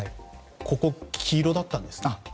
ここ、黄色だったんですね